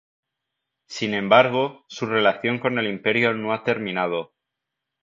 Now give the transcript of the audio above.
Sin embargo, su relación con el Imperio aún no ha terminado.